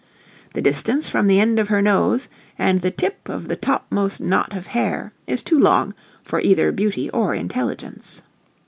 The distance from the end of her nose and the tip of the topmost knot of hair is too long for either beauty or intelligence.